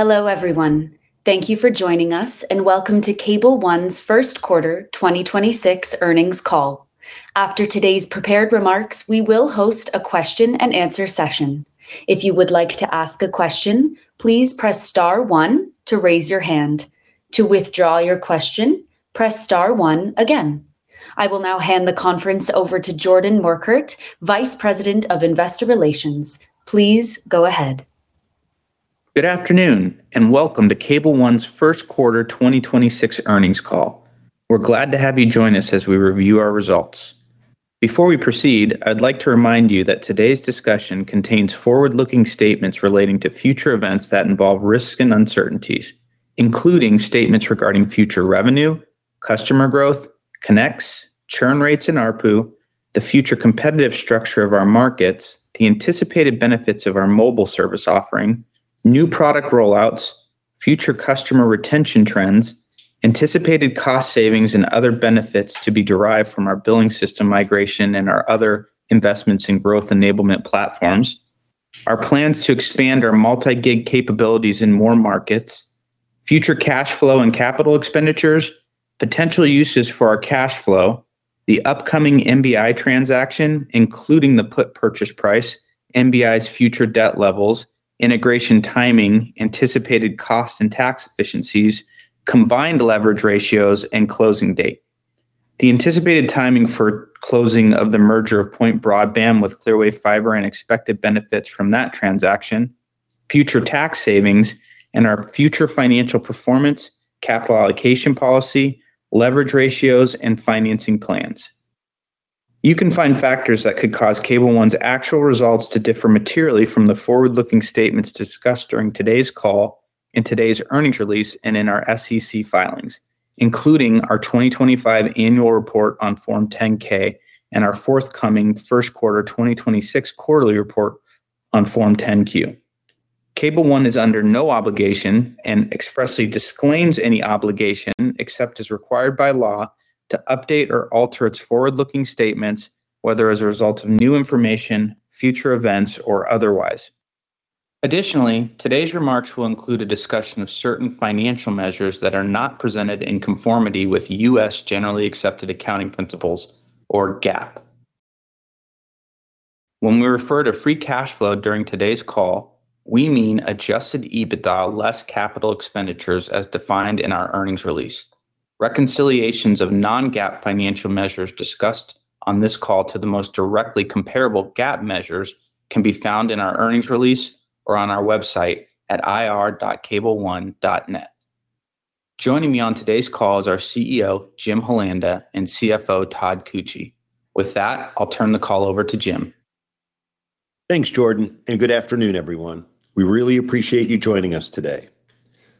Hello, everyone. Thank you for joining us, welcome to Cable One's first quarter 2026 earnings call. After today's prepared remarks, we will host a question and answer session. If you would like to ask a question, please press star one to raise your hand. To withdraw your question, press star one again. I will now hand the conference over to Jordan Morkert, Vice President of Investor Relations. Please go ahead. Good afternoon, and welcome to Cable One's first quarter 2026 earnings call. We're glad to have you join us as we review our results. Before we proceed, I'd like to remind you that today's discussion contains forward-looking statements relating to future events that involve risks and uncertainties, including statements regarding future revenue, customer growth, connects, churn rates in ARPU, the future competitive structure of our markets, the anticipated benefits of our mobile service offering, new product rollouts, future customer retention trends, anticipated cost savings and other benefits to be derived from our billing system migration and our other investments in growth enablement platforms, our plans to expand our multi-gig capabilities in more markets, future cash flow and capital expenditures, potential uses for our cash flow, the upcoming MBI transaction, including the put purchase price, MBI's future debt levels, integration timing, anticipated cost and tax efficiencies, combined leverage ratios and closing date. The anticipated timing for closing of the merger of Point Broadband with Clearwave Fiber and expected benefits from that transaction, future tax savings and our future financial performance, capital allocation policy, leverage ratios and financing plans. You can find factors that could cause Cable One's actual results to differ materially from the forward-looking statements discussed during today's call in today's earnings release and in our SEC filings, including our 2025 annual report on Form 10-K and our forthcoming first quarter 2026 quarterly report on Form 10-Q. Cable One is under no obligation and expressly disclaims any obligation, except as required by law, to update or alter its forward-looking statements, whether as a result of new information, future events or otherwise. Additionally, today's remarks will include a discussion of certain financial measures that are not presented in conformity with U.S. generally accepted accounting principles or GAAP. When we refer to free cash flow during today's call, we mean adjusted EBITDA less capital expenditures as defined in our earnings release. Reconciliations of non-GAAP financial measures discussed on this call to the most directly comparable GAAP measures can be found in our earnings release or on our website at ir.cableone.net. Joining me on today's call is our CEO, Jim Holanda, and CFO, Todd Koetje. With that, I'll turn the call over to Jim. Thanks, Jordan, and good afternoon, everyone. We really appreciate you joining us today.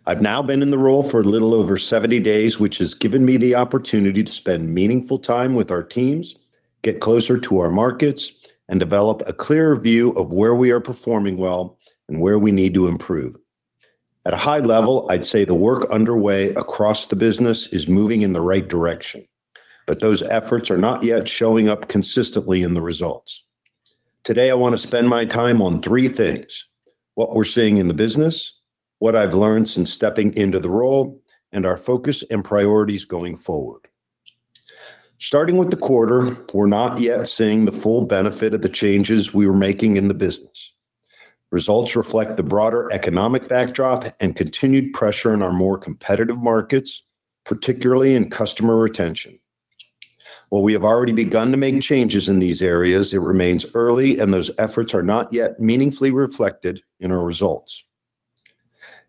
I've now been in the role for a little over 70 days, which has given me the opportunity to spend meaningful time with our teams, get closer to our markets, and develop a clearer view of where we are performing well and where we need to improve. At a high level, I'd say the work underway across the business is moving in the right direction, but those efforts are not yet showing up consistently in the results. Today, I want to spend my time on three things. What we're seeing in the business, what I've learned since stepping into the role, and our focus and priorities going forward. Starting with the quarter, we're not yet seeing the full benefit of the changes we were making in the business. Results reflect the broader economic backdrop and continued pressure in our more competitive markets, particularly in customer retention. While we have already begun to make changes in these areas, it remains early, and those efforts are not yet meaningfully reflected in our results.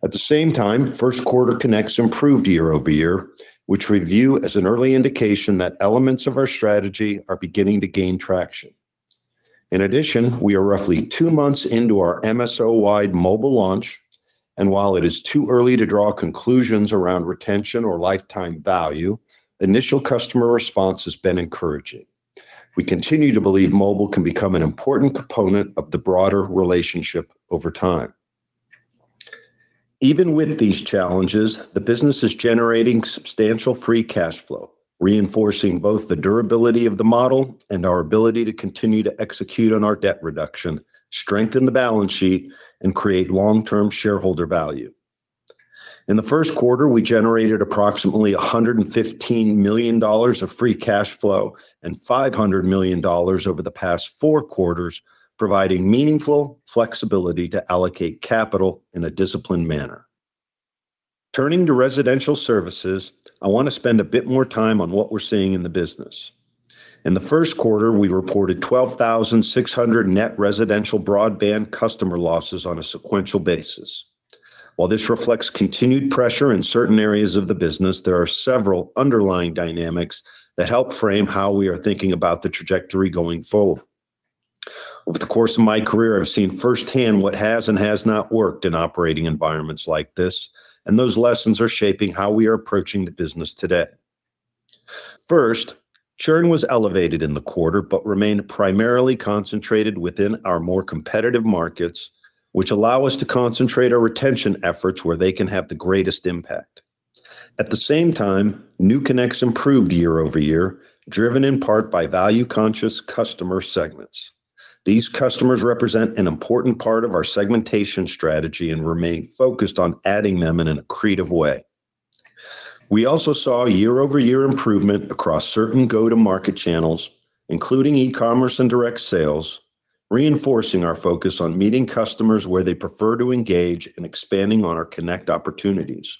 At the same time, first quarter connects improved year-over-year, which we view as an early indication that elements of our strategy are beginning to gain traction. In addition, we are roughly two months into our MSO-wide mobile launch, and while it is too early to draw conclusions around retention or lifetime value, initial customer response has been encouraging. We continue to believe mobile can become an important component of the broader relationship over time. Even with these challenges, the business is generating substantial free cash flow, reinforcing both the durability of the model and our ability to continue to execute on our debt reduction, strengthen the balance sheet, and create long-term shareholder value. In the first quarter, we generated approximately $115 million of free cash flow and $500 million over the past four quarters, providing meaningful flexibility to allocate capital in a disciplined manner. Turning to residential services, I want to spend a bit more time on what we're seeing in the business. In the first quarter, we reported 12,600 net residential broadband customer losses on a sequential basis. While this reflects continued pressure in certain areas of the business, there are several underlying dynamics that help frame how we are thinking about the trajectory going forward. Over the course of my career, I've seen firsthand what has and has not worked in operating environments like this, and those lessons are shaping how we are approaching the business today. First, churn was elevated in the quarter but remained primarily concentrated within our more competitive markets, which allow us to concentrate our retention efforts where they can have the greatest impact. At the same time, new connects improved year-over-year, driven in part by value-conscious customer segments. These customers represent an important part of our segmentation strategy and remain focused on adding them in an accretive way. We also saw year-over-year improvement across certain go-to-market channels, including e-commerce and direct sales, reinforcing our focus on meeting customers where they prefer to engage and expanding on our connect opportunities.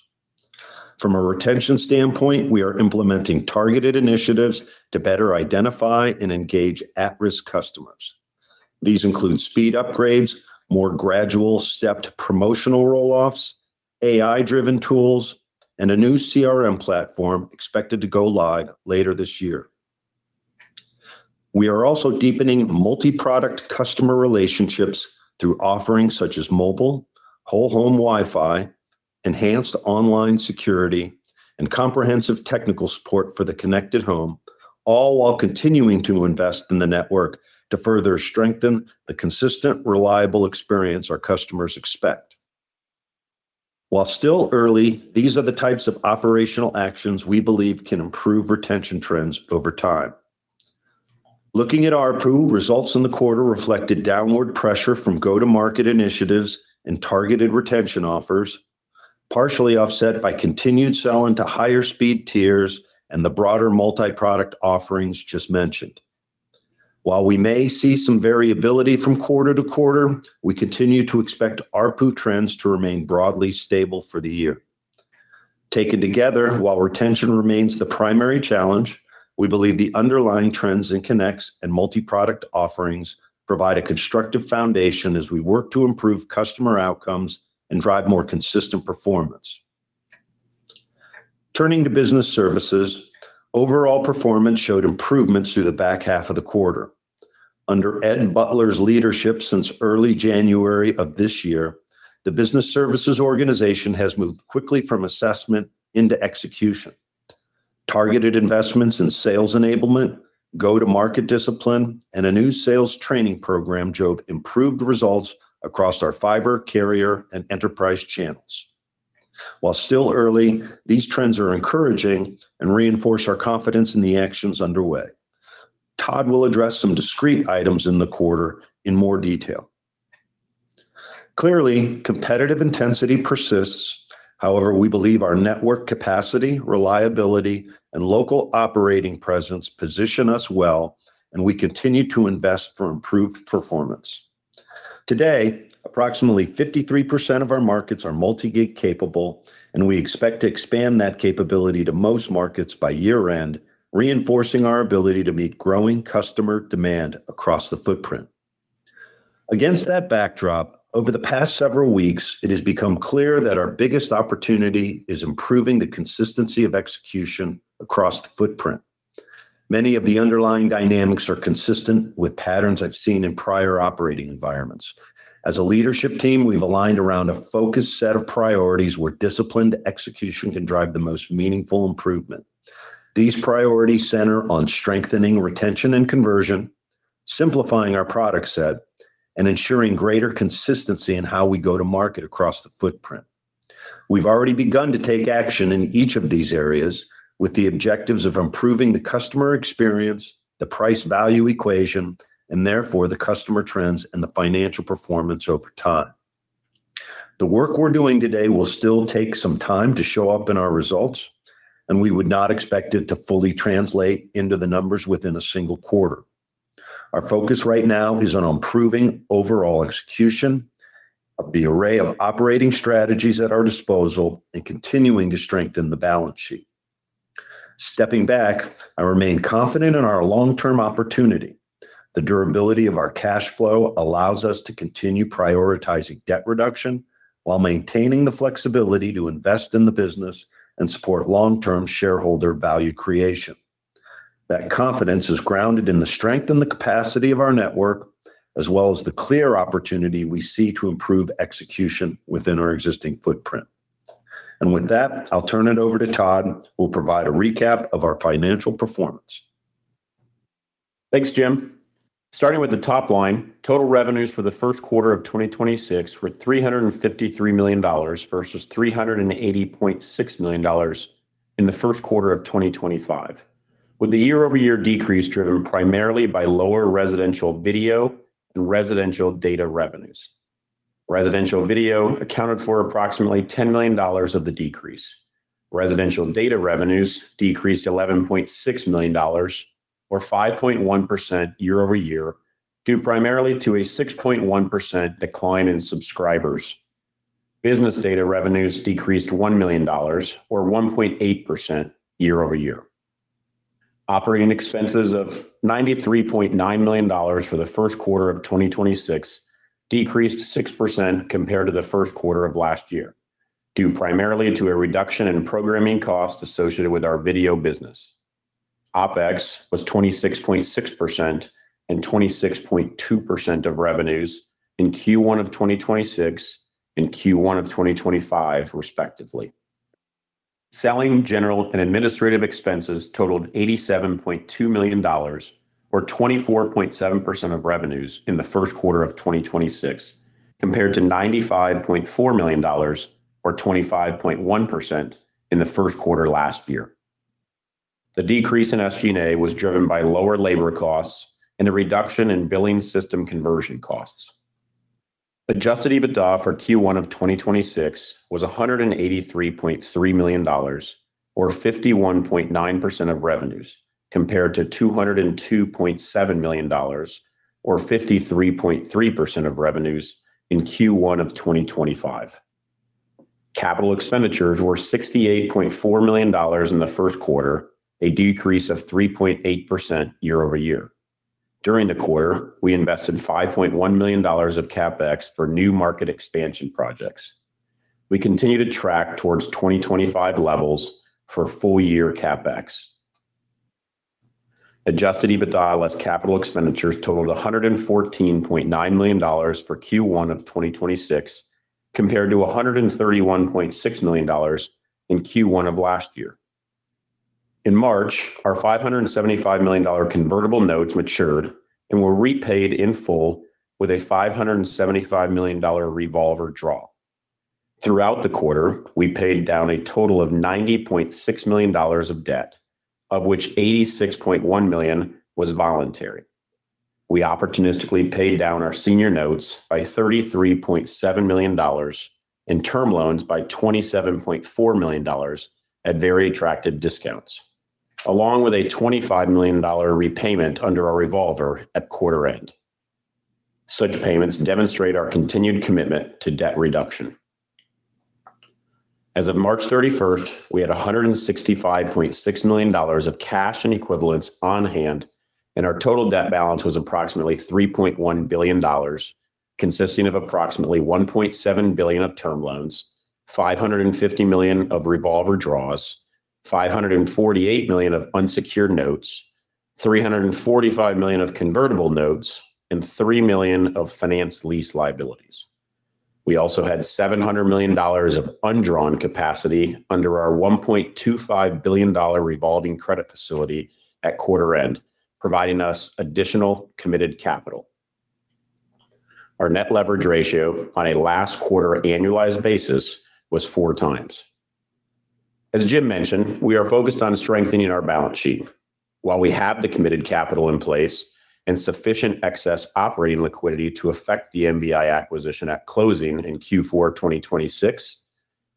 From a retention standpoint, we are implementing targeted initiatives to better identify and engage at-risk customers. These include speed upgrades, more gradual stepped promotional roll-offs, AI-driven tools, and a new CRM platform expected to go live later this year. We are also deepening multi-product customer relationships through offerings such as mobile, whole-home Wi-Fi, enhanced online security, and comprehensive technical support for the connected home, all while continuing to invest in the network to further strengthen the consistent, reliable experience our customers expect. While still early, these are the types of operational actions we believe can improve retention trends over time. Looking at ARPU, results in the quarter reflected downward pressure from go-to-market initiatives and targeted retention offers, partially offset by continued sell-in to higher speed tiers and the broader multi-product offerings just mentioned. While we may see some variability from quarter to quarter, we continue to expect ARPU trends to remain broadly stable for the year. Taken together, while retention remains the primary challenge, we believe the underlying trends in connects and multi-product offerings provide a constructive foundation as we work to improve customer outcomes and drive more consistent performance. Turning to business services, overall performance showed improvements through the back half of the quarter. Under Ed Butler's leadership since early January of this year, the business services organization has moved quickly from assessment into execution. Targeted investments in sales enablement, go-to-market discipline, and a new sales training program showed improved results across our fiber, carrier, and enterprise channels. While still early, these trends are encouraging and reinforce our confidence in the actions underway. Todd will address some discrete items in the quarter in more detail. Clearly, competitive intensity persists. However, we believe our network capacity, reliability, and local operating presence position us well, and we continue to invest for improved performance. Today, approximately 53% of our markets are multi-gig capable, and we expect to expand that capability to most markets by year-end, reinforcing our ability to meet growing customer demand across the footprint. Against that backdrop, over the past several weeks, it has become clear that our biggest opportunity is improving the consistency of execution across the footprint. Many of the underlying dynamics are consistent with patterns I've seen in prior operating environments. As a leadership team, we've aligned around a focused set of priorities where disciplined execution can drive the most meaningful improvement. These priorities center on strengthening retention and conversion, simplifying our product set, and ensuring greater consistency in how we go to market across the footprint. We've already begun to take action in each of these areas with the objectives of improving the customer experience, the price-value equation, and therefore the customer trends and the financial performance over time. The work we're doing today will still take some time to show up in our results, and we would not expect it to fully translate into the numbers within a single quarter. Our focus right now is on improving overall execution of the array of operating strategies at our disposal and continuing to strengthen the balance sheet. Stepping back, I remain confident in our long-term opportunity. The durability of our cash flow allows us to continue prioritizing debt reduction while maintaining the flexibility to invest in the business and support long-term shareholder value creation. That confidence is grounded in the strength and the capacity of our network, as well as the clear opportunity we see to improve execution within our existing footprint. With that, I'll turn it over to Todd, who will provide a recap of our financial performance. Thanks, Jim. Starting with the top line, total revenues for the first quarter of 2026 were $353 million versus $380.6 million in the first quarter of 2025, with the year-over-year decrease driven primarily by lower residential video and residential data revenues. Residential video accounted for approximately $10 million of the decrease. Residential data revenues decreased $11.6 million or 5.1% year-over-year, due primarily to a 6.1% decline in subscribers. Business data revenues decreased $1 million or 1.8% year-over-year. Operating expenses of $93.9 million for the first quarter of 2026 decreased 6% compared to the first quarter of last year, due primarily to a reduction in programming costs associated with our video business. OpEx was 26.6% and 26.2% of revenues in Q1 of 2026 and Q1 of 2025, respectively. Selling general and administrative expenses totaled $87.2 million or 24.7% of revenues in the first quarter of 2026. Compared to $95.4 million or 25.1% in the first quarter last year. The decrease in SG&A was driven by lower labor costs and a reduction in billing system conversion costs. Adjusted EBITDA for Q1 of 2026 was $183.3 million or 51.9% of revenues, compared to $202.7 million or 53.3% of revenues in Q1 of 2025. Capital expenditures were $68.4 million in the first quarter, a decrease of 3.8% year-over-year. During the quarter, we invested $5.1 million of CapEx for new market expansion projects. We continue to track towards 2025 levels for full year CapEx. Adjusted EBITDA less CapEx totaled $114.9 million for Q1 of 2026, compared to $131.6 million in Q1 of last year. In March, our $575 million convertible notes matured and were repaid in full with a $575 million revolver draw. Throughout the quarter, we paid down a total of $90.6 million of debt, of which $86.1 million was voluntary. We opportunistically paid down our senior notes by $33.7 million and term loans by $27.4 million at very attractive discounts, along with a $25 million repayment under our revolver at quarter end. Such payments demonstrate our continued commitment to debt reduction. As of March 31st, we had $165.6 million of cash and equivalents on hand. Our total debt balance was approximately $3.1 billion, consisting of approximately $1.7 billion of term loans, $550 million of revolver draws, $548 million of unsecured notes, $345 million of convertible notes, and $3 million of finance lease liabilities. We also had $700 million of undrawn capacity under our $1.25 billion revolving credit facility at quarter end, providing us additional committed capital. Our net leverage ratio on a last quarter annualized basis was four times. As Jim mentioned, we are focused on strengthening our balance sheet. While we have the committed capital in place and sufficient excess operating liquidity to affect the MBI acquisition at closing in Q4 2026,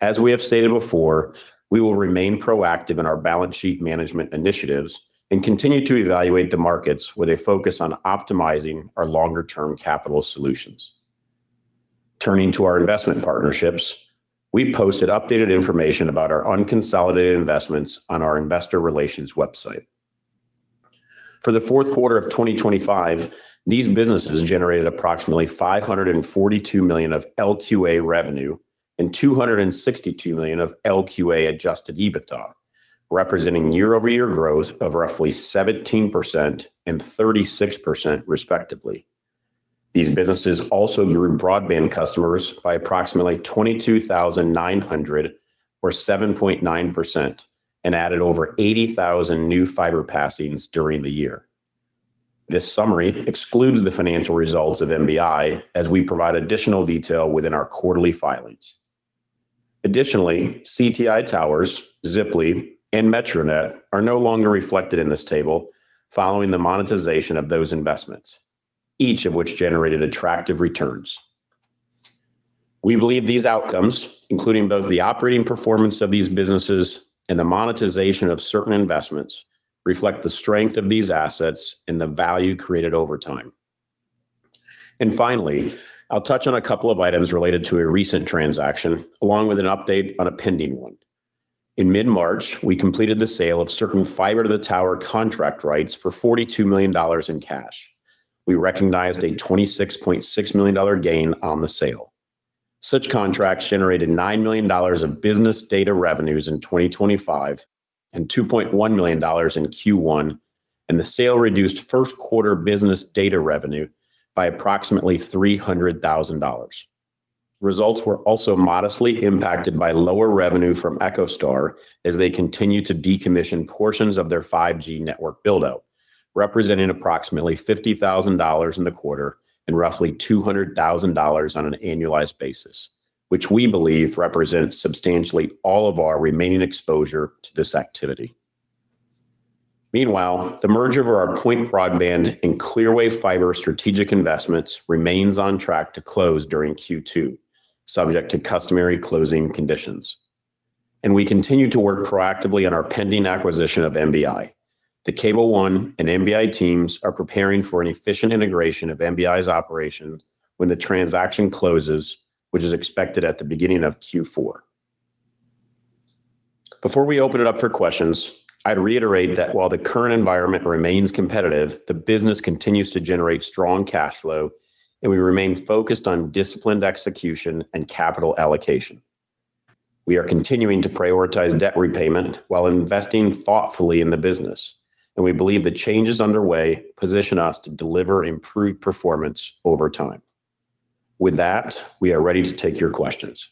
as we have stated before, we will remain proactive in our balance sheet management initiatives and continue to evaluate the markets with a focus on optimizing our longer-term capital solutions. Turning to our investment partnerships, we posted updated information about our unconsolidated investments on our investor relations website. For the fourth quarter of 2025, these businesses generated approximately $542 million of LQA revenue and $262 million of LQA adjusted EBITDA, representing year-over-year growth of roughly 17% and 36% respectively. These businesses also grew broadband customers by approximately 22,900 or 7.9% and added over 80,000 new fiber passings during the year. This summary excludes the financial results of MBI as we provide additional detail within our quarterly filings. Additionally, CTI Towers, Ziply, and MetroNet are no longer reflected in this table following the monetization of those investments, each of which generated attractive returns. We believe these outcomes, including both the operating performance of these businesses and the monetization of certain investments, reflect the strength of these assets and the value created over time. Finally, I'll touch on a couple of items related to a recent transaction, along with an update on a pending one. In mid-March, we completed the sale of certain fiber-to-the-tower contract rights for $42 million in cash. We recognized a $26.6 million gain on the sale. Such contracts generated $9 million of business data revenues in 2025 and $2.1 million in Q1. The sale reduced first quarter business data revenue by approximately $300,000. Results were also modestly impacted by lower revenue from EchoStar as they continue to decommission portions of their 5G network build-out, representing approximately $50,000 in the quarter and roughly $200,000 on an annualized basis, which we believe represents substantially all of our remaining exposure to this activity. Meanwhile, the merger of our Point Broadband and Clearwave Fiber strategic investments remains on track to close during Q2, subject to customary closing conditions. We continue to work proactively on our pending acquisition of MBI. The Cable One and MBI teams are preparing for an efficient integration of MBI's operations when the transaction closes, which is expected at the beginning of Q4. Before we open it up for questions, I'd reiterate that while the current environment remains competitive, the business continues to generate strong cash flow, and we remain focused on disciplined execution and capital allocation. We are continuing to prioritize debt repayment while investing thoughtfully in the business. We believe the changes underway position us to deliver improved performance over time. With that, we are ready to take your questions.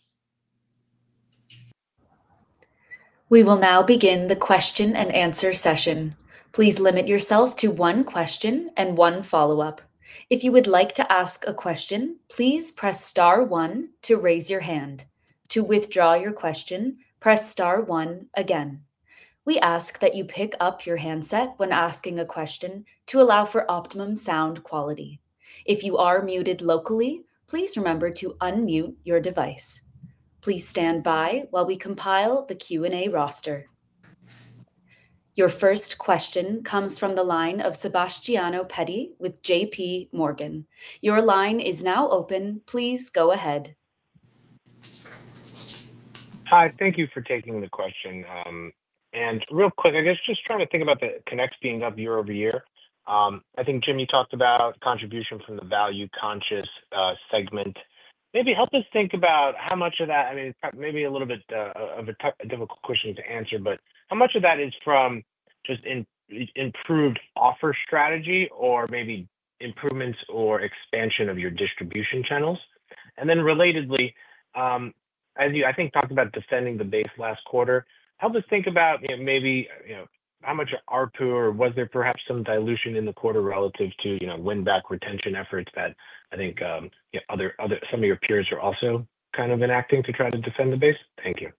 We will now begin the question and answer session. Please limit yourself to one question and one follow-up. If you would like to ask a question, please press star one to raise your hand. To withdraw your question, press star one again. We ask that you pick up your handset when asking a question to allow for optimum sound quality. If you are muted locally, please remember to unmute your device. Please stand by while we compile the Q&A roster. Your first question comes from the line of Sebastiano Petti with JPMorgan. Your line is now open. Please go ahead. Hi. Thank you for taking the question. Real quick, I guess just trying to think about the connects being up year-over-year. I think, Jim, you talked about contribution from the value conscious segment. Maybe help us think about how much of that, I mean, maybe a little bit of a difficult question to answer, but how much of that is from just improved offer strategy or maybe improvements or expansion of your distribution channels? Then relatedly, as you I think talked about defending the base last quarter, help us think about, you know, maybe, you know, how much ARPU or was there perhaps some dilution in the quarter relative to, you know, win back retention efforts that I think some of your peers are also kind of enacting to try to defend the base. Thank you.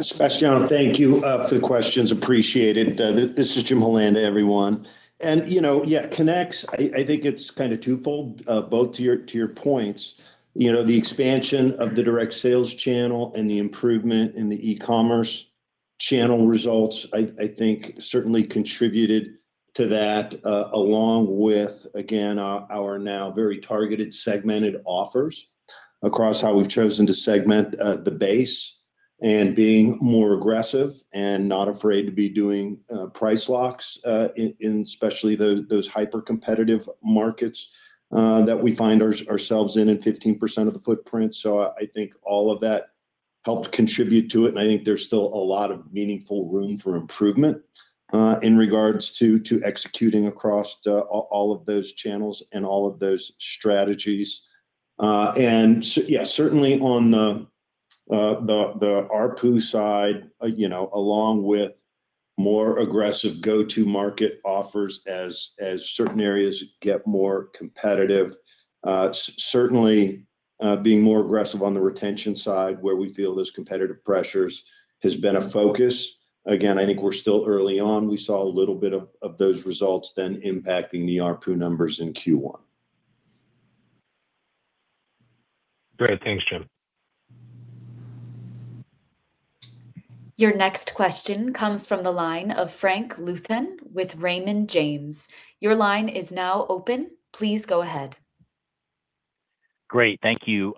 Sebastiano, thank you for the questions. Appreciate it. This is Jim Holanda everyone. You know, yeah, connects, I think it's kind of twofold, both to your, to your points. You know, the expansion of the direct sales channel and the improvement in the e-commerce channel results I think certainly contributed to that, along with, again, our now very targeted segmented offers across how we've chosen to segment the base and being more aggressive and not afraid to be doing price locks in especially those hyper-competitive markets that we find ourselves in 15% of the footprint. I think all of that helped contribute to it, and I think there's still a lot of meaningful room for improvement in regards to executing across all of those channels and all of those strategies. Certainly on the ARPU side, you know, along with more aggressive go-to market offers as certain areas get more competitive, certainly being more aggressive on the retention side where we feel those competitive pressures has been a focus. Again, I think we're still early on. We saw a little bit of those results then impacting the ARPU numbers in Q1. Great. Thanks, Jim. Your next question comes from the line of Frank Louthan with Raymond James. Your line is now open. Please go ahead. Great. Thank you.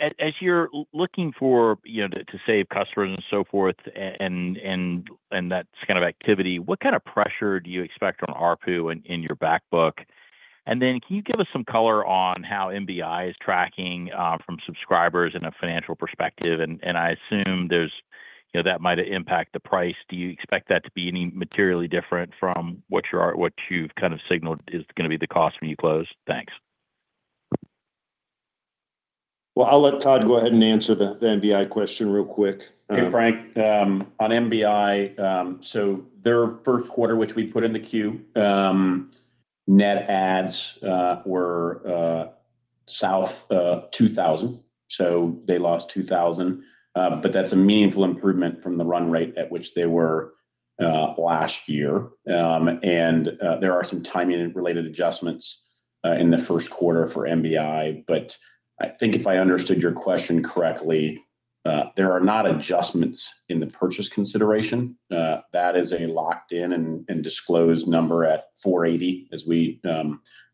As you're looking for, you know, to save customers and so forth and that kind of activity, what kind of pressure do you expect on ARPU in your back book? Then can you give us some color on how MBI is tracking from subscribers in a financial perspective? I assume there's, you know, that might impact the price. Do you expect that to be any materially different from what you've kind of signaled is gonna be the cost when you close? Thanks. Well, I'll let Todd go ahead and answer the MBI question real quick. Hey, Frank. On MBI, their first quarter, which we put in the Q, net adds were south of 2,000, so they lost 2,000. That's a meaningful improvement from the run rate at which they were last year. There are some timing related adjustments in the first quarter for MBI. I think if I understood your question correctly, there are not adjustments in the purchase consideration. That is a locked in and disclosed number at $480 as we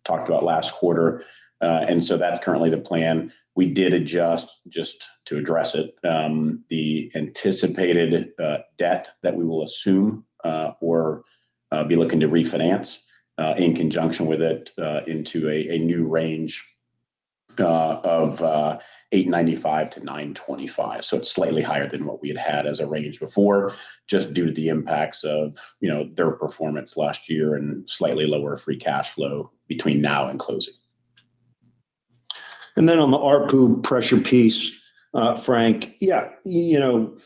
talked about last quarter. That's currently the plan. We did adjust, just to address it, the anticipated debt that we will assume or be looking to refinance in conjunction with it into a new range of $895-$925. It's slightly higher than what we had had as a range before, just due to the impacts of, you know, their performance last year and slightly lower free cash flow between now and closing. On the ARPU pressure piece, Frank, you know,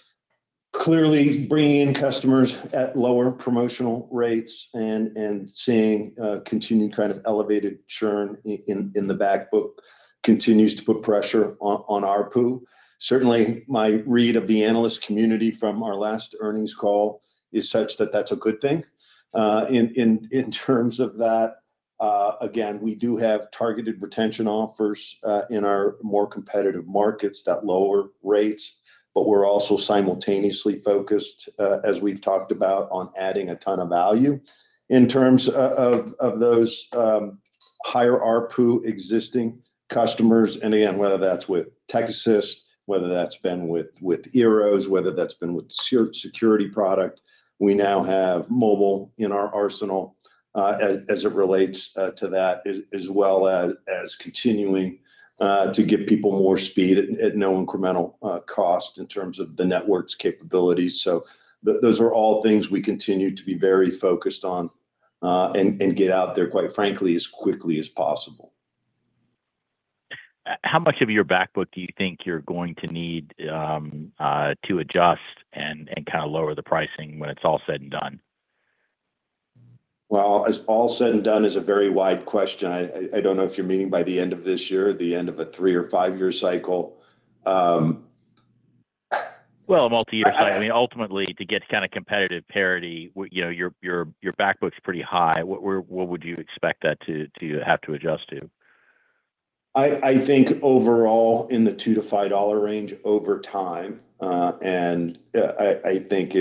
clearly bringing in customers at lower promotional rates and seeing continued kind of elevated churn in the back book continues to put pressure on ARPU. Certainly, my read of the analyst community from our last earnings call is such that that's a good thing. In terms of that, again, we do have targeted retention offers in our more competitive markets that lower rates, but we're also simultaneously focused, as we've talked about, on adding a ton of value in terms of those higher ARPU existing customers. Again, whether that's with TechAssist, whether that's been with eero, whether that's been with security product, we now have mobile in our arsenal, as it relates to that as well as continuing to give people more speed at no incremental cost in terms of the network's capabilities. Those are all things we continue to be very focused on and get out there, quite frankly, as quickly as possible. How much of your back book do you think you're going to need to adjust and kind of lower the pricing when it's all said and done? Well, as all said and done is a very wide question. I don't know if you're meaning by the end of this year or the end of a three or five-year cycle. Well, a multi-year cycle. I mean, ultimately to get kind of competitive parity you know, your back book's pretty high. What would you expect that to have to adjust to? I think overall in the $2-$5 range over time, and I think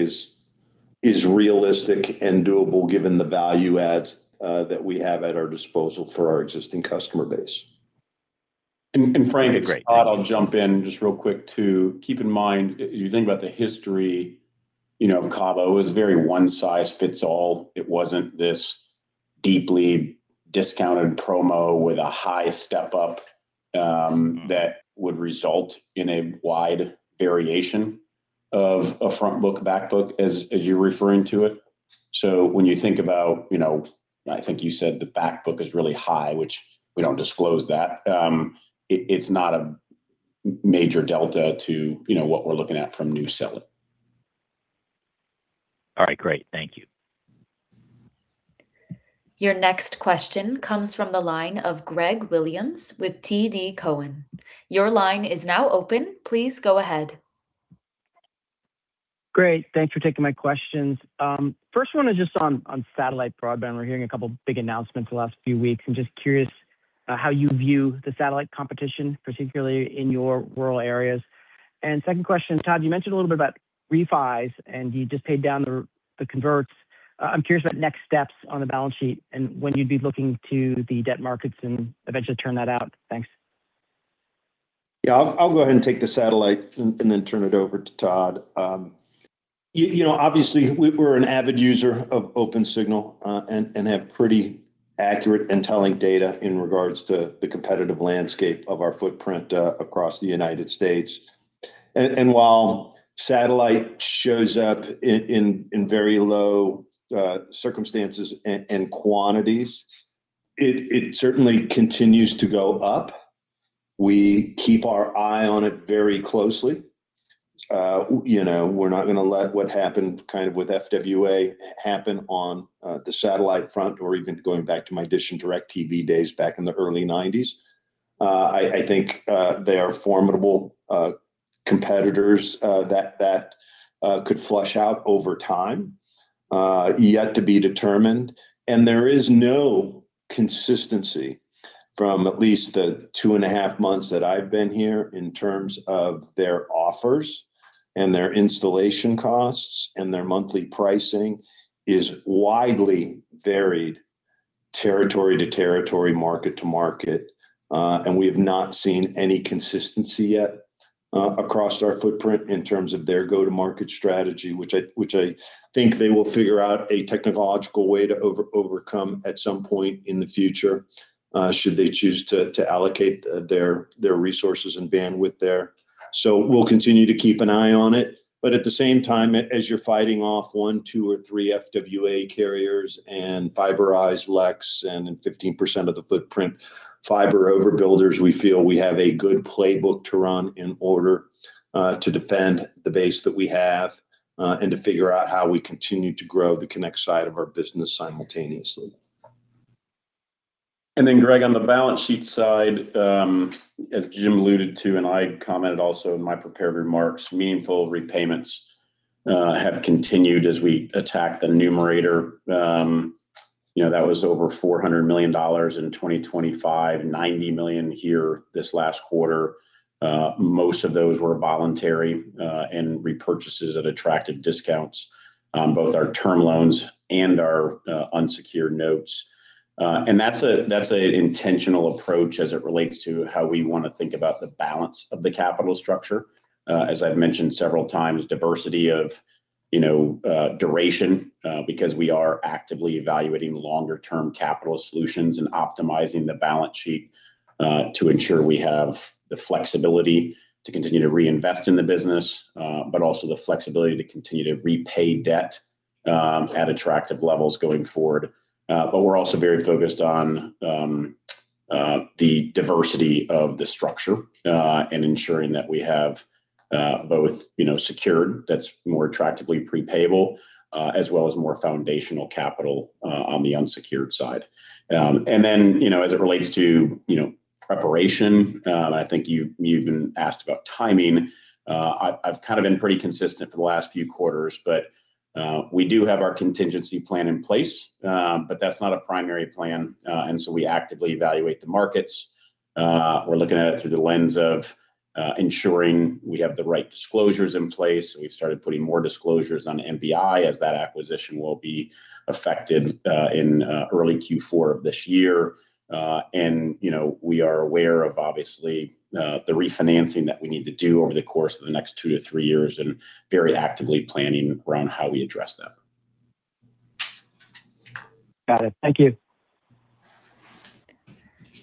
is realistic and doable given the value adds, that we have at our disposal for our existing customer base. Frank, it's Todd. I'll jump in just real quick to keep in mind, if you think about the history, you know, Cable One was very one size fits all. It wasn't this deeply discounted promo with a high step up that would result in a wide variation of a front book, back book as you're referring to it. When you think about, you know, I think you said the back book is really high, which we don't disclose that, it's not a major delta to, you know, what we're looking at from new selling. All right, great. Thank you. Your next question comes from the line of Greg Williams with TD Cowen. Your line is now open. Please go ahead. Great. Thanks for taking my questions. First one is just on satellite broadband. We're hearing a couple big announcements the last few weeks. I'm just curious, how you view the satellite competition, particularly in your rural areas. Second question, Todd, you mentioned a little bit about refis and you just paid down the converts. I'm curious about next steps on the balance sheet and when you'd be looking to the debt markets and eventually turn that out. Thanks. Yeah, I'll go ahead and take the satellite and then turn it over to Todd. You know, obviously we're an avid user of Opensignal and have pretty accurate and telling data in regards to the competitive landscape of our footprint across the United States. While satellite shows up in very low circumstances and quantities, it certainly continues to go up. We keep our eye on it very closely. You know, we're not gonna let what happened kind of with FWA happen on the satellite front or even going back to my Dish and DirecTV days back in the early nineties. I think they are formidable competitors that could flush out over time. Yet to be determined. There is no consistency from at least the two and a half months that I've been here in terms of their offers and their installation costs and their monthly pricing is widely varied territory to territory, market to market. We have not seen any consistency yet across our footprint in terms of their go-to-market strategy, which I think they will figure out a technological way to overcome at some point in the future, should they choose to allocate their resources and bandwidth there. We'll continue to keep an eye on it, but at the same time, as you're fighting off one, two or three FWA carriers and fiberized LECs and in 15% of the footprint, fiber overbuilders, we feel we have a good playbook to run in order to defend the base that we have and to figure out how we continue to grow the connect side of our business simultaneously. Greg, on the balance sheet side, as Jim alluded to, and I commented also in my prepared remarks, meaningful repayments have continued as we attack the numerator. You know, that was over $400 million in 2025, $90 million here this last quarter. Most of those were voluntary and repurchases at attractive discounts on both our term loans and our unsecured notes. That's an intentional approach as it relates to how we want to think about the balance of the capital structure. As I've mentioned several times, diversity of, you know, duration, because we are actively evaluating longer term capital solutions and optimizing the balance sheet, to ensure we have the flexibility to continue to reinvest in the business, but also the flexibility to continue to repay debt at attractive levels going forward. We're also very focused on the diversity of the structure, and ensuring that we have both, you know, secured that's more attractively pre-payable, as well as more foundational capital on the unsecured side. Then, you know, as it relates to, you know, preparation, I think you even asked about timing. I've kind of been pretty consistent for the last few quarters, but we do have our contingency plan in place. That's not a primary plan. We actively evaluate the markets. We're looking at it through the lens of ensuring we have the right disclosures in place. We've started putting more disclosures on MBI as that acquisition will be effective in early Q4 of this year. You know, we are aware of obviously the refinancing that we need to do over the course of the next two to three years and very actively planning around how we address that. Got it. Thank you.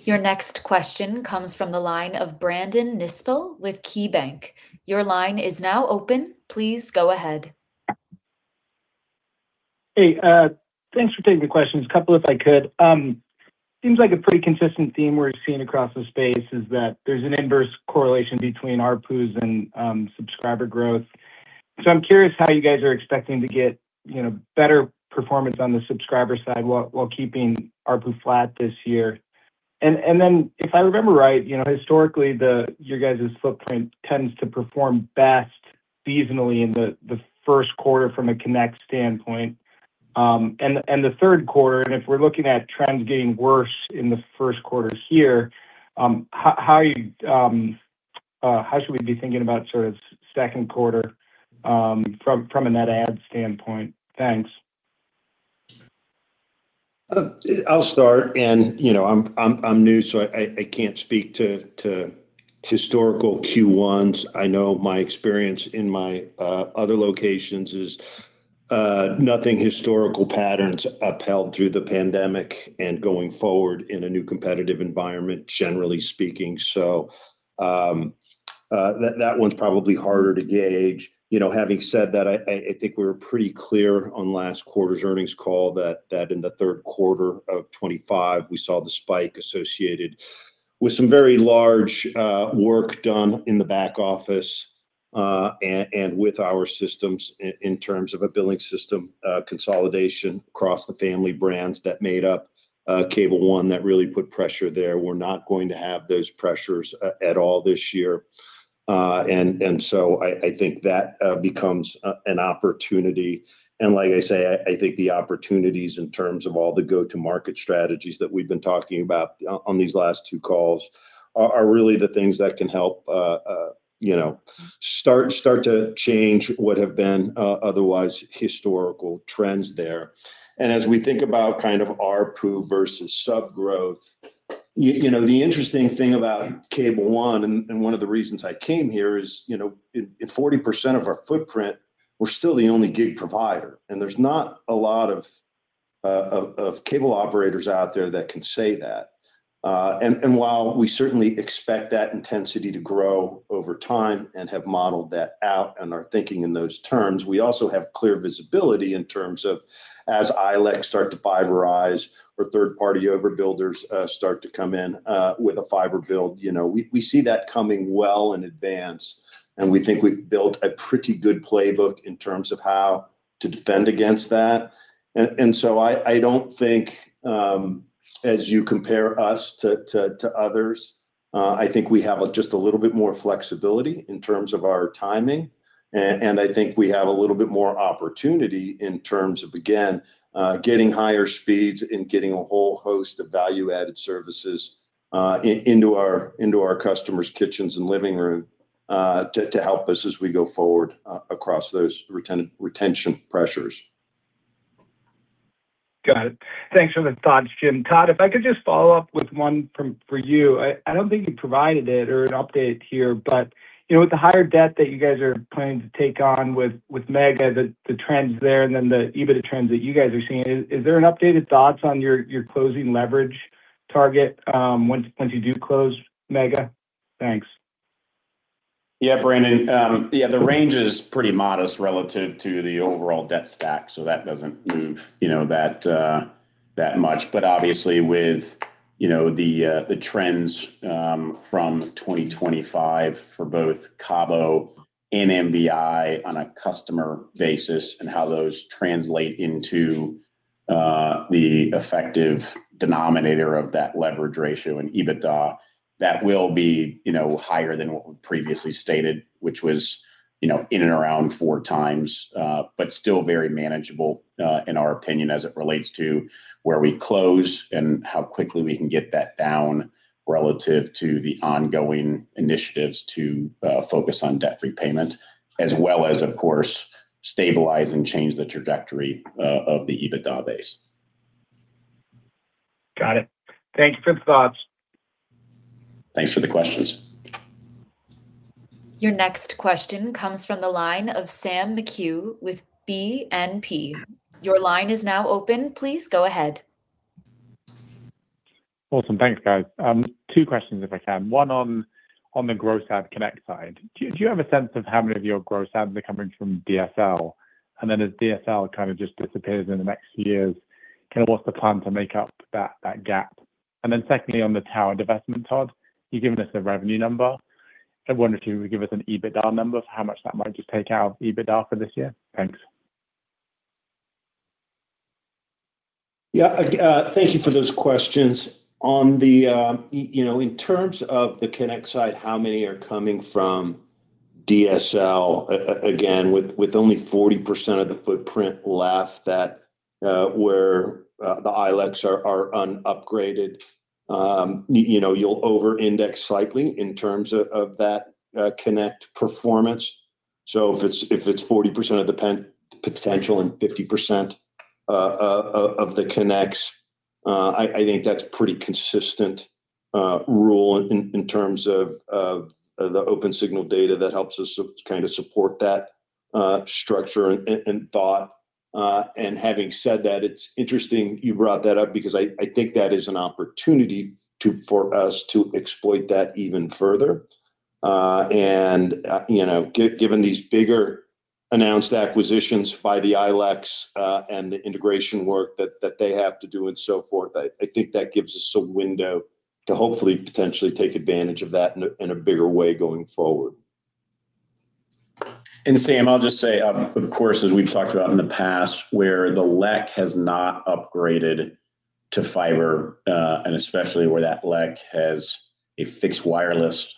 Your next question comes from the line of Brandon Nispel with KeyBanc. Your line is now open. Please go ahead. Hey, thanks for taking the questions. A couple if I could. Seems like a pretty consistent theme we're seeing across the space is that there's an inverse correlation between ARPU and subscriber growth. I'm curious how you guys are expecting to get, you know, better performance on the subscriber side while keeping ARPU flat this year. If I remember right, you know, historically the, your guys' footprint tends to perform best seasonally in the first quarter from a connect standpoint and the third quarter. If we're looking at trends getting worse in the first quarter here, how are you, how should we be thinking about sort of second quarter from a net add standpoint? Thanks. I'll start, you know, I'm new, so I can't speak to historical Q1s. I know my experience in my other locations is nothing historical patterns upheld through the pandemic and going forward in a new competitive environment, generally speaking. That one's probably harder to gauge. You know, having said that, I think we're pretty clear on last quarter's earnings call that in the third quarter of 2025, we saw the spike associated with some very large work done in the back office and with our systems in terms of a billing system consolidation across the family brands that made up Cable One that really put pressure there. We're not going to have those pressures at all this year. I think that becomes an opportunity. Like I say, I think the opportunities in terms of all the go-to-market strategies that we've been talking about on these last two calls are really the things that can help, you know, start to change what have been otherwise historical trends there. As we think about kind of ARPU versus sub growth, you know, the interesting thing about Cable One and one of the reasons I came here is, you know, in 40% of our footprint, we're still the only gig provider, and there's not a lot of cable operators out there that can say that. While we certainly expect that intensity to grow over time and have modeled that out and are thinking in those terms, we also have clear visibility in terms of as ILEC start to fiberize or third party overbuilders start to come in with a fiber build. You know, we see that coming well in advance, and we think we've built a pretty good playbook in terms of how to defend against that. I don't think as you compare us to others, I think we have just a little bit more flexibility in terms of our timing. I think we have a little bit more opportunity in terms of, again, getting higher speeds and getting a whole host of value-added services into our customers' kitchens and living room to help us as we go forward across those retention pressures. Got it. Thanks for the thoughts, Jim. Todd, if I could just follow up with one for you. I don't think you provided it or an update here, but, you know, with the higher debt that you guys are planning to take on with Mega, the trends there, and then the EBITDA trends that you guys are seeing, is there an updated thoughts on your closing leverage target once you do close Mega? Thanks. Brandon. The range is pretty modest relative to the overall debt stack, so that doesn't move, you know, that much. Obviously with, you know, the trends from 2025 for both Cabo and MBI on a customer basis and how those translate into the effective denominator of that leverage ratio and EBITDA, that will be, you know, higher than what we previously stated, which was, you know, in and around four times. Still very manageable in our opinion, as it relates to where we close and how quickly we can get that down relative to the ongoing initiatives to focus on debt repayment, as well as, of course, stabilize and change the trajectory of the EBITDA base. Got it. Thank you for the thoughts. Thanks for the questions. Your next question comes from the line of Sam McHugh with BNP. Your line is now open. Please go ahead. Awesome. Thanks, guys. Two questions if I can. One on the gross add connect side. Do you have a sense of how many of your gross adds are coming from DSL? As DSL kind of just disappears in the next years, kind of what's the plan to make up that gap? Secondly, on the tower divestment, Todd, you've given us the revenue number. I wonder if you would give us an EBITDA number for how much that might just take out of EBITDA for this year. Thanks. Yeah, thank you for those questions. On the, you know, in terms of the connect side, how many are coming from DSL, again, with only 40% of the footprint left that where the ILECs are unupgraded, you know, you'll over-index slightly in terms of that connect performance. If it's 40% of the potential and 50% of the connects, I think that's pretty consistent rule in terms of the Opensignal data that helps us kind of support that structure and thought. Having said that, it's interesting you brought that up because I think that is an opportunity for us to exploit that even further. You know, given these bigger announced acquisitions by the ILECs, and the integration work that they have to do and so forth, I think that gives us some window to hopefully potentially take advantage of that in a bigger way going forward. Sam, I'll just say, of course, as we've talked about in the past, where the LEC has not upgraded to fiber, and especially where that LEC has a fixed wireless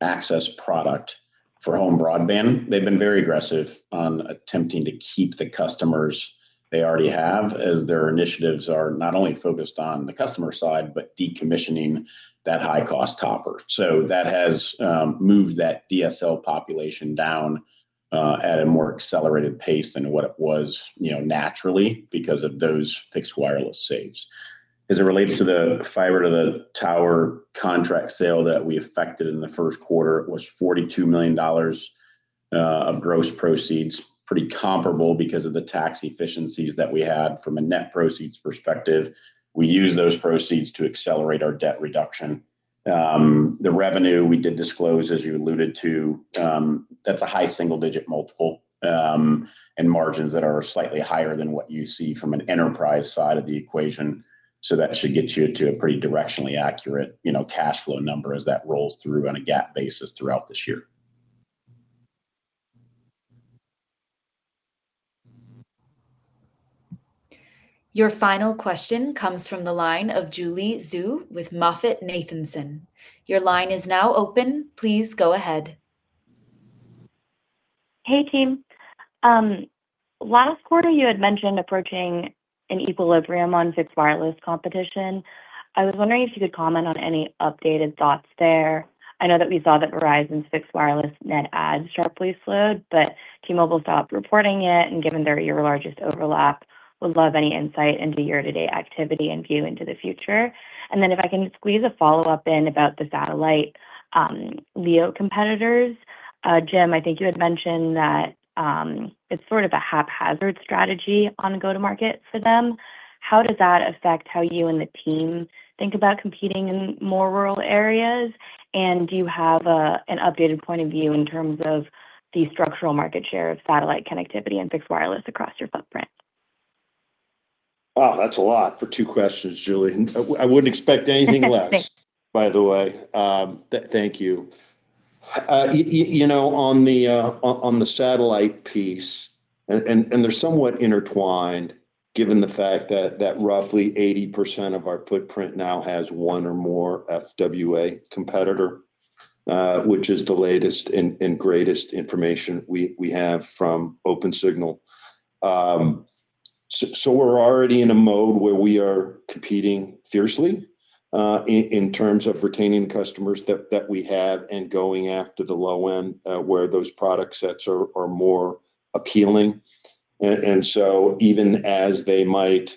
access product for home broadband, they've been very aggressive on attempting to keep the customers they already have as their initiatives are not only focused on the customer side, but decommissioning that high-cost copper. That has moved that DSL population down at a more accelerated pace than what it was, you know, naturally because of those fixed wireless saves. As it relates to the fiber-to-the-tower contract sale that we effected in the first quarter, it was $42 million of gross proceeds, pretty comparable because of the tax efficiencies that we had from a net proceeds perspective. We used those proceeds to accelerate our debt reduction. The revenue we did disclose, as you alluded to, that's a high single-digit multiple, and margins that are slightly higher than what you see from an enterprise side of the equation. That should get you to a pretty directionally accurate, you know, cash flow number as that rolls through on a GAAP basis throughout this year. Your final question comes from the line of Julie Zhu with MoffettNathanson. Your line is now open. Please go ahead. Hey, team. Last quarter you had mentioned approaching an equilibrium on fixed wireless competition. I was wondering if you could comment on any updated thoughts there. I know that we saw that Verizon's fixed wireless net adds sharply slowed, but T-Mobile stopped reporting it, and given they're your largest overlap, would love any insight into year-to-date activity and view into the future. If I can squeeze a follow-up in about the satellite LEO competitors. Jim, I think you had mentioned that it's sort of a haphazard strategy on go-to-market for them. How does that affect how you and the team think about competing in more rural areas? Do you have a, an updated point of view in terms of the structural market share of satellite connectivity and fixed wireless across your footprint? Wow, that's a lot for two questions, Julie. I wouldn't expect anything less. Thanks... by the way. Thank you. You know, on the, on the satellite piece, and they're somewhat intertwined given the fact that roughly 80% of our footprint now has one or more FWA competitor, which is the latest and greatest information we have from Opensignal. So we're already in a mode where we are competing fiercely, in terms of retaining customers that we have and going after the low end, where those product sets are more appealing. Even as they might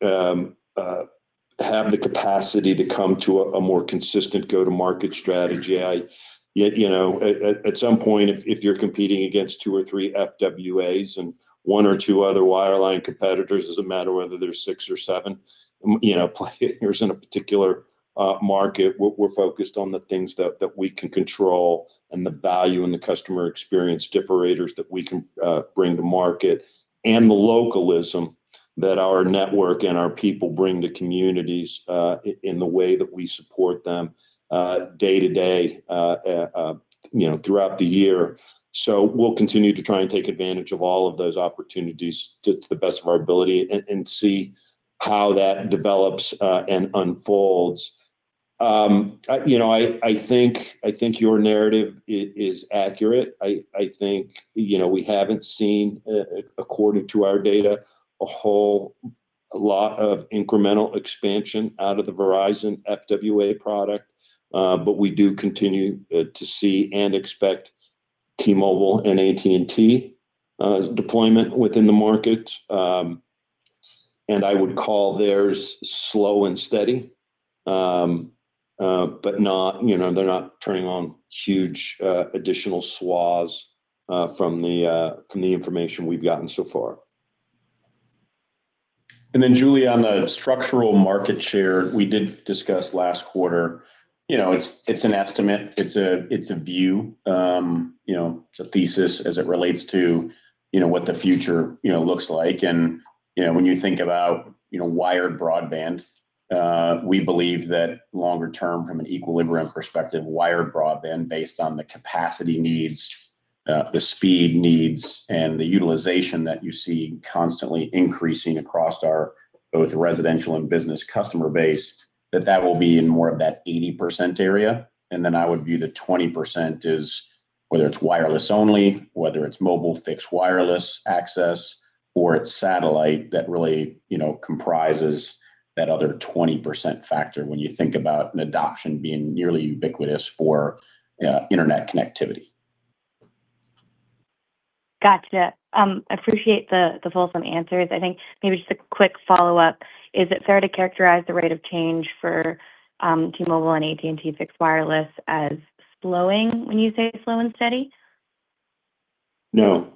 have the capacity to come to a more consistent go-to-market strategy, you know, at some point if you're competing against two or three FWAs and one or two other wireline competitors, doesn't matter whether there's six or seven, you know, players in a particular market, we're focused on the things that we can control and the value and the customer experience differentiators that we can bring to market and the localism that our network and our people bring to communities in the way that we support them day to day, you know, throughout the year. We'll continue to try and take advantage of all of those opportunities to the best of our ability and see how that develops and unfolds. I think your narrative is accurate. I think, you know, we haven't seen, according to our data, a whole lot of incremental expansion out of the Verizon FWA product, but we do continue to see and expect T-Mobile and AT&T deployment within the market. I would call theirs slow and steady, but not, you know, they're not turning on huge additional SWAs from the information we've gotten so far. Julie, on the structural market share, we did discuss last quarter, you know, it's an estimate. It's a view. You know, it's a thesis as it relates to, you know, what the future, you know, looks like. You know, when you think about, you know, wired broadband, we believe that longer term from an equilibrium perspective, wired broadband based on the capacity needs, the speed needs, and the utilization that you see constantly increasing across our both residential and business customer base, that will be in more of that 80% area. I would view the 20% as whether it's wireless only, whether it's mobile fixed wireless access, or it's satellite that really, you know, comprises that other 20% factor when you think about an adoption being nearly ubiquitous for internet connectivity. Gotcha. Appreciate the fulsome answers. I think maybe just a quick follow-up. Is it fair to characterize the rate of change for T-Mobile and AT&T fixed wireless as slowing when you say slow and steady? No.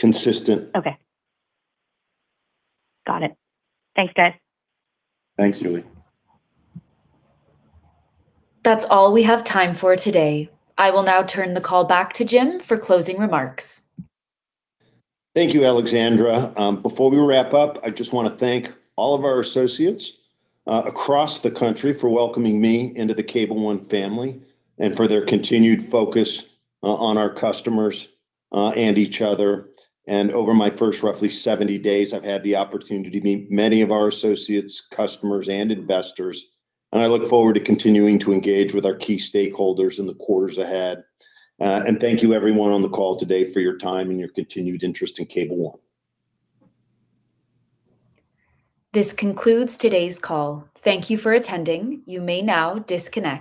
Consistent. Okay. Got it. Thanks, guys. Thanks, Julie. That's all we have time for today. I will now turn the call back to Jim for closing remarks. Thank you, Alexandra. Before we wrap up, I just want to thank all of our associates across the country for welcoming me into the Cable One family and for their continued focus on our customers and each other. Over my first roughly 70 days, I've had the opportunity to meet many of our associates, customers, and investors, and I look forward to continuing to engage with our key stakeholders in the quarters ahead. Thank you everyone on the call today for your time and your continued interest in Cable One. This concludes today's call. Thank you for attending. You may now disconnect.